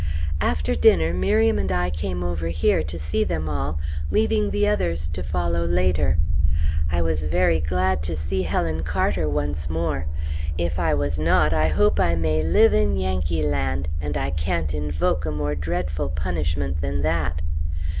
After dinner Miriam and I came over here to see them all, leaving the others to follow later. I was very glad to see Helen Carter once more. If I was not, I hope I may live in Yankee land! and I can't invoke a more dreadful punishment than that.